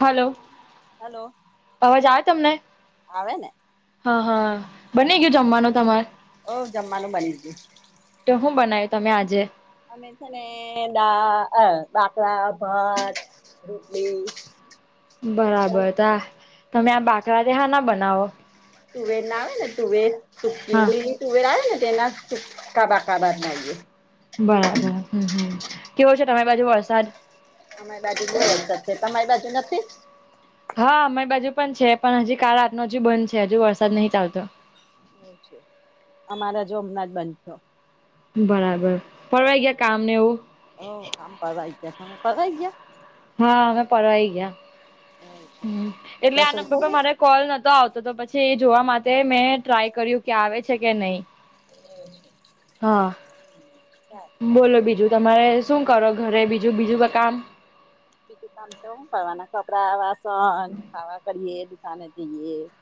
Hello hello અવાજ આવે તમને આવે ને હા હા બને ગયયો જમવાનું તમારે ઓ જમવાનું બની જ ગય તો શું બનાવ્યું તમે આજે અમે છે ને દા બાાકડા ભાત રૂટલી બરાબર તા તમે આ બાકરા દે હા ના બનાવો તુંવે નાવ ને તુંવે સુક હા [unintelligible] બરાબર હમમ કેવું છે તમારી બાજુ વરસાદ અમારી બાજુ બહુ વરસાદ છે તમારી બાજુ નથી હા અમારી બાજુ પણ છે પણ હજી કા આતનો હજુ બંધ છે હજુ વરસાદ નહીં ચાલતો એવું છે અમારી બાજુ હમણાં જ બંધ થયો બરાબર પરવારી ગયા કામને એવું કામ પરવારી ગયા તમે પરવારી ગયા હા અમે પરવારી ગયા એવું છે એટલે આ રસોઈ નંબર થઈ પર ગઈ મારે કોલ નતો આવતો તો પછી એ જોવા માટે મેં ટ્રાય કર્યું કે આવે છે કે નહી હા સારું સારું બોલો બીજું તમારે શું કરો ઘરે બીજું બીજું કામ બીજું કામ તો હું કરવાના કપડાં વાસણ ખાવા કરીએ [unintelligible]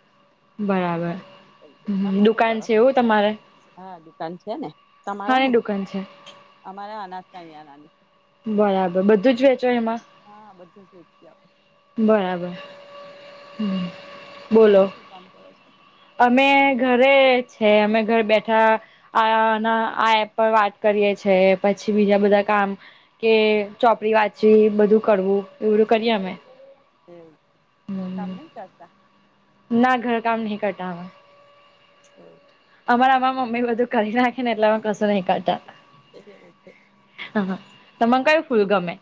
બરાબર તમે શું દુકાન કરો છે એવું તમારે હા દુકાન છે ને તમારે હાની હું દુકાન છે અમારે અનાજ કરિયાણાની દુકાન છે બરાબર બધું જ વેચો એમાં હા બધું જ વેચીએ બરાબર હ તમે શું કામ કરો છો અમે ઘરે છે અમે ઘર બેઠા આ આ એપ પર વાત કરીએ છે પછી બીજા બધા કામ કે ચોપડી વાંચી બધું કરવું એવ બધું કરીએ અમે ઘરકામ નહીં કરતા ના ઘર કામ નહી કરતા અમે હમ અમારે અમારા મમ્મી બધું કરી નાખે એટલે અમે કંઈ નહીં કરતા એવું તમ કયું ફૂલ ગમે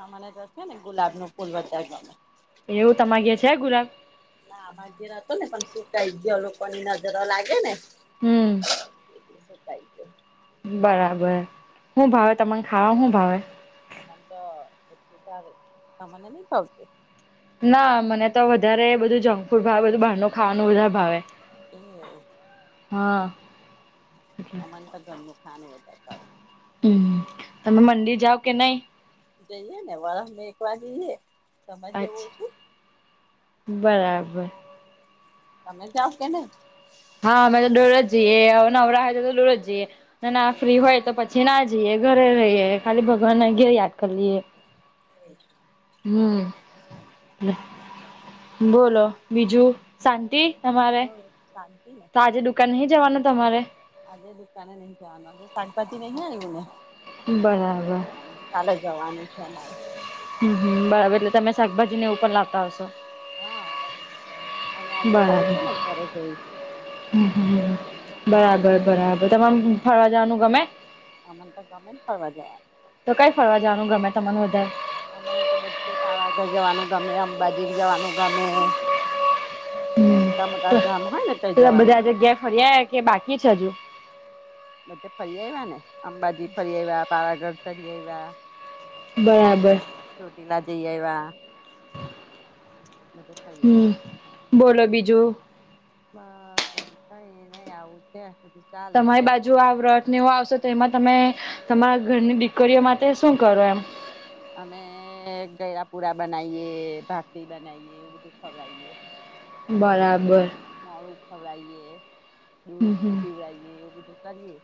અમારે તો છે ને ગુલાબ નું ફૂલ બધા ગમે એવું તમારા ઘેર છે ગુલાબ ના પહેલા અમારા ઘેર હતું પછી [unintelligible] હમ [unintelligible] બરાબર હું ભાવે તમાને ખાવા શું ભાવે અમને તો બધું ભાવે તમને નહીં ભાવતું ના મને તો વધારે બધું જંક ફૂડ ભાવે બધું બહારનું ખાવાનું વધારે ભાવે એ [unintelligible] હા અમને તો ઘરનું ખાવાનું વધારે ભાવે હમ તમે મંદિ જાવ કે નહી જઈએ ને વર એક વાર જઈએ તમે એવું અચ્છા છું બરાબર તમે જાઓ કે નહીં હા અમે તો ડોર જ જઈએ નવરા હોય તો તો ડોર જઈએ ના ફ્રી હોય તો પછી ના જીયે ઘરે રહીએ ખાલી ભગવાનને યાદ કરી લઈએ હ [unintelligible] હમ બોલો બીજું શાંતિ તમારે હવ શાંતિ ને તો આજે દુકાન નહી જવાનું તમારે આજે દુકાને નહીં જવાનું આજે શાકભાજી લઈને આવી છું બરાબર એટલે [unintelligible] કાલે જવાનું છે અમારે હમ હમ એટલે તમે શાકભાજીને એવો પણ લાવતા હશો હા અમે આજે ખાલી છે ને ઘરે જઈ છુ. હ હ બરાબર બરાબર તમામ ફરવા જવાનું ગમે અમ તો ગમે પરવા જવાનુ તો કઈ ફરવા જવાનું ગમે તમાર વધારે અમને તો બધે પાવાગઢ જવાનું ગમે અંબાજી જવાનું ગમે. એ મોટા મોટા ગામ હોય, ને કઈ જવાનું પણ ફરિયા કે બાકી છે, હજુ બધે ફરી આવ્યા ને અંબાજી ફરી આવ્યા પાવાગઢ ફરી આવ્યા બરાબર ચોટીલા જઈ એવા મજબ હમ બોલો બીજુ બસ વારી કઈ નહી આવું છે બધું ચાલે છે. જો આ વ્રત ને એવો આવશે તો એમાં તમે તમારા ઘરની દીકરીઓ માટે શું કરો એમ અમે ગળપુરા બનાવીએ ભાપરી બનાવીએ એવું બધું ખવડઈએ બરાબર મોડું ખવડઈએ હમ દૂધ હમ પીવડઈએ એવું બધું કરીએ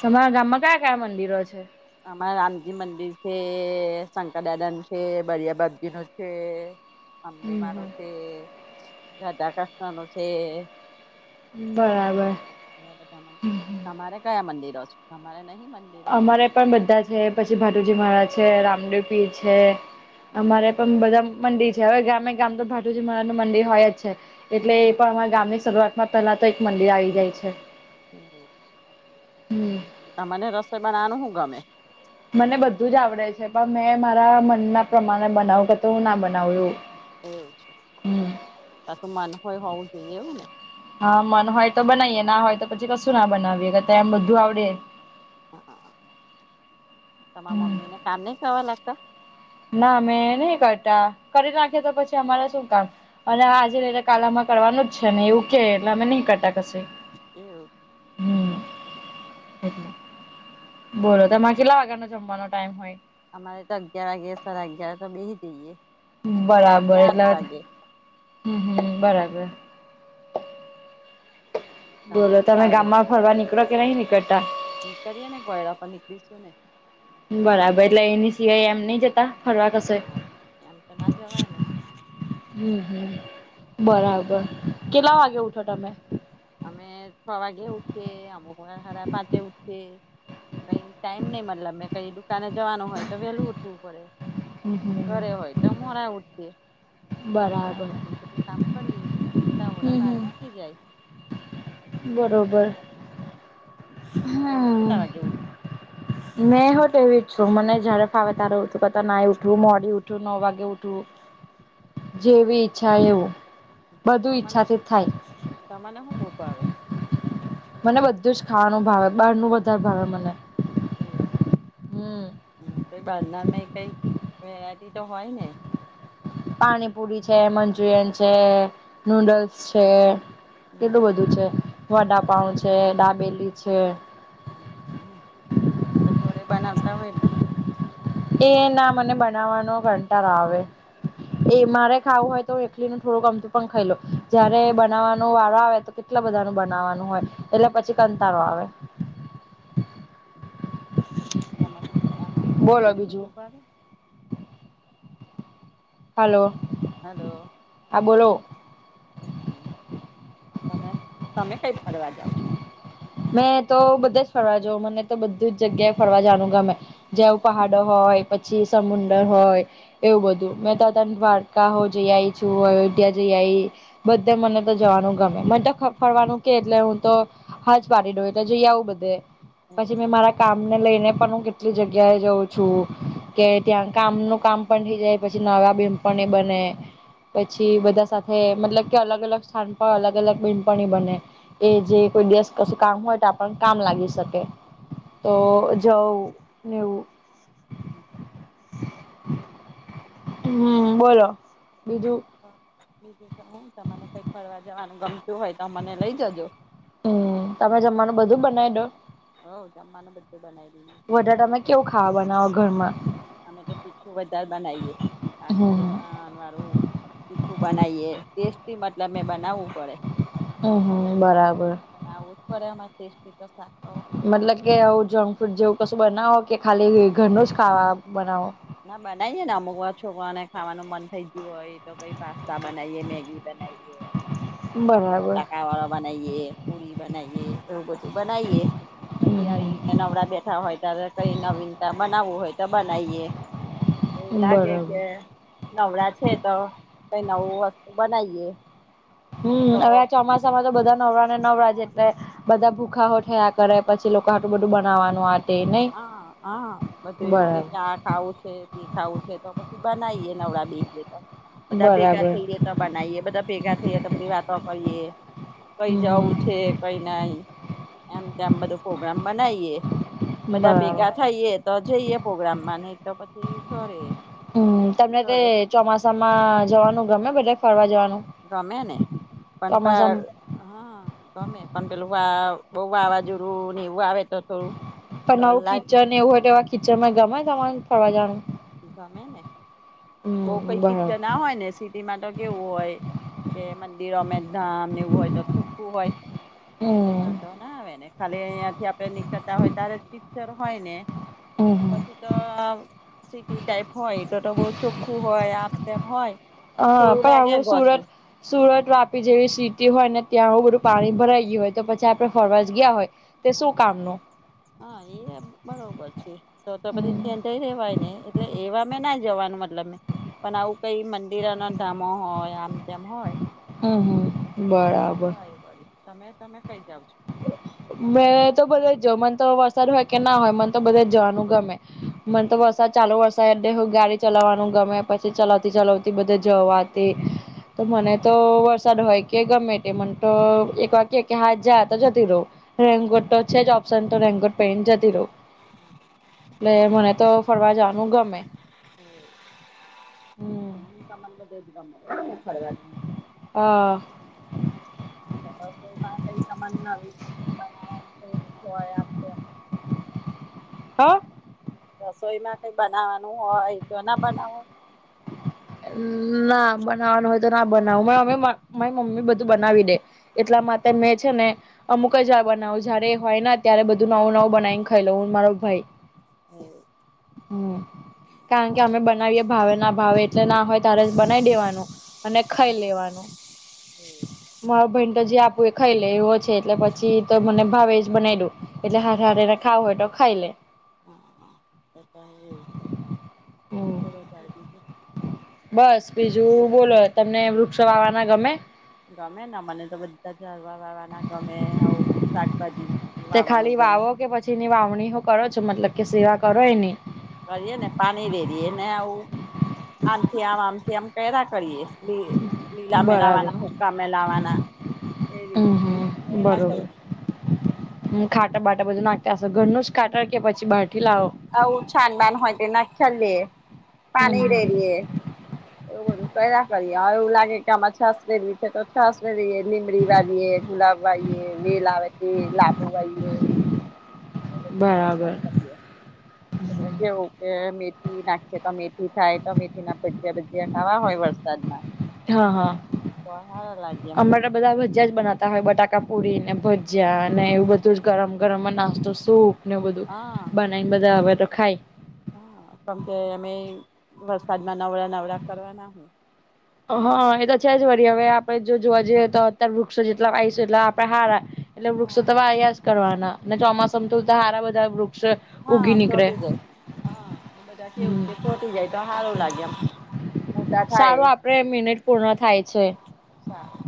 તમારા ગામમાં ક્યાં કયા મંદિરો છે. આમામાં રામજી મંદિર છે શંકર દાદન છે બરિયા બાપજી નું છે. હમ અંબેમારું છે, રાધા કૃષ્ણ નું છે. બરાબર હ બધા મંદિરો તમારે કયા મંદિરો છે, તમારે નહી મંદિર અમારે પણ બધા છે પછી ભાટુજી મહારાજ છે રામદેવ પીર છે. અમારે પણ બધા મંડી છે હવે ગામે ગામ તો ભાટુજી માનું મંડીિ હોય જ છે. એટલે હા એ પણ અમારા ગામની શરૂઆતમાં પહેલા તો એક મંદિર આવી જાય છે. હમ તને રસોઈ બનાવાનું હુ ગમે મને બધું જ આવડે છે, પણ મેં મારા મનના પ્રમાણે બનાવ કે તો હુ ના બનાવુ એવું છે, ક તો મન હોય હોવું જોઈએ એવું ને હા મન હોય તો બનાવીએ ના હોય, તો પછી કશું ના બનાવીએ કે એમ બધું આવડે હા તમારા હમ મમ્મીને કામ નહી કરવાવા લાગતા. ના મેં નહી કરતા કરી નાખી એ તો પછી અમારે શું કામ અને આજે લઈને કાલનામાં કરવાનું જ છેને, એવું કે એટલે અમે નહી કરતા કશ એવુ એટલે બોલો તમાર કેટલા વાગાનો જમવાનો ટાઈમ હોય. અમારે તો અગિયાર વાગે સાડા અગિયાર તો બેહિ જઈએ. સાંજે બરાબર આઠ એટલા જ વાગે હમ્મ હમ્મ બરાબર બોલો કેટલા તમે વાગે ગામમાં ફરવા નીકળો કે નહી, નીકળતા. નીકળીએ ને ગોયડા પર નીકળીશું ને બરાબર અમને એટલે તો એની સિવાય એમ નહિ જતા ફરવા કશે હા એમ તો ના જવાય ને હમ્મ હમ્મ બરાબર કેટલા વાગે ઉઠો તમે અમે છવાગે ઉઠી એ અમુક વારા સાડા પાચે ઉઠીએ કઈ ટાઈમ નઈ મતલબ મે કઈ દુકાને જવાનું હોય તો વહેલું ઉઠવું પડે હમ ઘરે હમ હોય તો મોરા ઉઠી એ મોરા બરાબર ઊઠીને બધું કામ કરીએ તાર હમ બાર હમ વાગી જાય. બરોબર તમે હમ કેટલા વાગે ઉઠો મેં હો તો એવી જ છું મને જયારે ફાવે ત્યારે ઉઠું કરતા ના એ ઊઠું મોડી ઉઠૂં નવ વાગે ઉઠૂં [inaudible] જેવી ઈચ્છા એવું બધું તમને ઈચ્છાથી થાય તમને હુ બો ભાવે મને બધું જ ખાવાનું ભાવે બહાર નું વધારે ભાવે મને. હમ બાર ના ની કઈ વેરી તો હોય ને પાણીપુરી છે, મંચુરિયન છે, નૂડલ્સ છે. કેટલું હમ બધું છે, વડાપઉ છે, ડાબેલી છે. હમ્મ તો ઘરે બનાવતા હોય તો. એ ના મને બનાવવાનો કંટારો આવે એ મારે ખાવું હોય તો એકલી નું થોડું ગમતું પણ ખાઈ લો જયારે બનાવાનો વારો આવે તો કેટલા બધા નુ બનાવાનું હોય એટલે પછી કંટાળો આવે [inaudible] તમાને એમ બીજું બધું ભાવે હલો. હલો. હા બોલો. હ તમે તમે કઈ ફરવા જાવ છો? મેં તો બધા જ ફરવા જવુ મને તો બધું જ જગ્યાએ ફરવા જવાનું ગમે. જે આવું પહાડો હોય પછી સમુંદર હોય એવું બધું મેં તો અતાન દ્વારકાઓ જઈ આઈ છું અયોધ્યા જઈ આઈ બધે મને તો જવાનું ગમે મને તો ફરવાનું કે એટલે હું તો ફેમી જોડે તો જઈ આવું બધે પછી મેં મારા કા તમને લઈને પણ હું કેટલી જગ્યાએ જઉં છું. કે ત્યાં કામ નું કામ પણ થઇ જાય પછી નવા બેનપને બને પછી બધા સાથે મતલબ કે અલગ અલગ સ્થાન પર અલગ અલગ બેનપણી બને એ જે કોઈ દેેશ કશું કામ હોય તો આપણ કામ લાગી શકે તો જઉં નેવું [inaudible] હમ્મ બોલો બીજું બીજું તો હું તમને કઈક ફરવા જવાનું ગમતું હોય તો અમને લઈ જજો હમ્મ તમે જમવાનું બધું બનાવી દો હોવ, જમ્માવાનું બધું બનાઈ દીધું છે. વધારે તમે કેવું ખાવ બનાઓ ઘરમાં અમે તો તીખું બારે બનાવીએે આજુ હમ લસણ વાળું તીખું બનાવીએ ટેસ્ટી મતલબ મે બનાવવું પડે હમ હમ બરાબર અને આવું જ કરડે એમાં ચટેસ્ટી તો શાક મતલબ કે આવું જંક ફ્રૂટ જેવું કશું બનાવો કે ખાલી ઘરનું જ ખાવા બનાવો. ના બનાવીએ ને અમકવા છોકરાને ખાવાનું મન થઈ ગયું હોય તો કઈ પાસ્તા બનાવીયે મેગી. પછી બરાબર બટા વાળ બનાવીએ પુરી બનાવીએ એવું બધું બનાવીએ પછી હમ આવી રીતના નવડા બેઠા હોય. ત કરી નવીનતા બનાવવું હોય તો બનાવીએ એવું હમ લાગે બરાબર કે નવડા છે તો કઈ નવું વસ્તુ બનાવીએ. હમ તો હવે આ ચોમાસામાં તો બધા નવરા ને નવરા છે એટલે બધા ભૂખા થયા. કરે પછી લોકો આટું બધું બનાવાનું આ નહી હા હા બધું એવું બરાબર કે આ ખાવું છે તે ખાવું છે તો પછી બનાવીએ નવળા બેએ તો બધા ભેગા બરાબર થઈ. બનાવીએ બધા ભેગા થઈએ તો બધી વાતો કરીએ કઈ હમ જવુ છે હમ કઈ નાઈ એમ તેમમ બધું પ્રગ્રામ બનાવીએ બધા બરાબર ભેગા થઈએ, તો જઈએ પ્રોગ્રામ માં ને તો પછી ઘરેે હમ તમને તે ચોમાસામાં જવાનું ગમે બલે ફરવા જવાનું ગમ્યાને પણ પણ ચોમાસામાં હા ગમે પણ પેલું બ વાવાજોડું હી એવું આવે તો થોડુ. પણ નવું કિચન એવું હોય તો એવા કિચન માં ગમે તમા ફરવા જનુ ગમે ને બહ કઈ બરાબર કીચન ના હોય ને સિટીમાં તો કેવું હોય કે મંદિરો અમેરધામ ને એવું હોય તો ચોખ્ખું હોય. એટલે હમ વાંધો ના આવે ને ખાલી અહિયાંથી આપડે નીકળતા હોય ત્યારે જ પિક્ચર હોય ને. હમ હમ પછી તો સીટી ટાઈપ હોય તો તો બહુ ચોખ્ખું હોય આમ તેમ હોય. હહ થોડું પણ લાગે આવું સુરત ગોચવું સુરત, વાપી જેવી સિટી હોય ને ત્યાં આવું બધું પાણી ભરાઈ ગયું હોય તો પછી આપણે ફરવા જ ગયા હોય. તે શું કામનું? હા એ બરોબર છે, તો તો પછી હમ જ્યાં ત્યાં રેવાય નહીં એટલે એવા મેં ના જવાનું મતલબ મે પણ આવું કઈ મંદિરન અને ધામો હોય, આમ તેમ હોય. હમ હમ તો બરાબર જવાય વડી. તમે તમે કઈ જાવ છો? મેં તો બધે જઉં. મને તો વરસાદ હોય કે ના હોય મને તો બધે જ જવાનું ગમે. મન તો વરસાદ ચાલુ વર શહેરને હું ગાડી ચલાવાનું ગમે, પછી ચલાવતી ચલાવતી બધે જઉં આ તે તો મને તો વરસાદ હોય કે ગમે તે મને તો એક વાર કે કે હા જા તો જતી રહું. રેનકોટ તો છે જ ઓપ્શન તો રેનકોટ પેરી ને જતી રહું. ને મને તો ફરવા જાવાનું ગમે. હમ [inaudible] એમને ફરવાનું. હહ ચલો તો એમાં કઈ સમાન નવી બનાવવાનું કઈ હોય આમ તેમ હહ? રસોઈમાં કઈ બનાવાનું હોય તો ના બનાવો? ના બનાવાનું હોય તો ના બનાવું. મારી મમ્મી બધું બનાવી દે. એટલા માટે મેં છે ને અમુક જ વાર બનાવું જયારે હોય ન ત્યારે બધું નવું નવું બનાવીને ખઈ લઉં હું ને મારો ભાઈ. હમ કારણ કે તમે અમે બનાવીએ ભાવે ના ભાવે. જે ના હોય તારે જ બનાઈ દેવાનું અને ખઈ લેવાનું. મારા ભઈન તો જે આપું એ ખઈ લે એવો છે એટલે પછી તો મને ભાવે એજ બનાઈ દઉં એટલે હારે [inaudible] ખાઉં હોય તો ખઈલે. હહ હહ એ તો હારું છે. હમ બોલો તારે બીજું? બસ બીજું બોલો તમને વૃક્ષો વાવવાના ગમે? ગમે ના મને તો બધા ઝાડવા વાવાના ગમે. આવું શાકભાજી. તે વાવાનું ખાલી ગમે વાવો કે પછીની વાવણી હું કરો છો, મતલબ કે સેવા કરો એની? કરીએ ને પાણી રેડીએ ને આવું. આમથી આમ આમથી આમ કરયા કરીએ. [inaudible] લીલા બરાબર મેલાવાના, હુક્કા મેલાવાના એવી હમ રીતને બધું હમ કર્યા બરોબર કરીએ. હમ ખાતર બાટર બધું નાખતા હશો, ઘરનું જ ખાતર કે પછી બારથી લાવો? આવું છાન બાન હોય તે નાખી આલીએ. પાની હમ રેડીએ, એવું બધું કર્યા કરીએ એવું લાગે કે આમાં છાશ ભેળવી છે તો છાશ ભે રહીએ. લીંબડી વાવીએ, ગુલાબ વાઈએ, વેલ આવે તે લાબો વાઈએ. એવું બધું બરાબર વાવ્યા કરીએ. એટલે કેવું કે મેથી નાખીએ તો મેથી થાય, તો મેથીના ભજીયા બજીયા ખાવા હોય વરસા સાદમાં હા હા એમ અમર રા બધા ભજીયા જ બનાવતા હોય. બટાકાપુરી ને ભજીયાને એવું બધું જ ગરમ ગરમ નાસ્તો સૂપ ને બધું હા બનાઈને બધા હવે તો ખાય. હા કેમ કે અમે વરસાદમાં નવળા નવળા કરવાના હું. હા એ તો છે જ વળી હવે આપડે જો જોવા જઈએ તો અતાર વૃક્ષો જેટલા વાઈશું એટલા આપણે હારા. એટલે વૃક્ષો હા તો વાયા જ કરવાના. ને ચોમાસામાં તો હારા બધાં વૃક હા ચોટી જાય હા બધા કેવું હમ કે ચોટી જાય તો સારું લાગે એમ. મોટા થાય સારું આપડે મિનિટ પૂર્ણ થાય છે. સારુ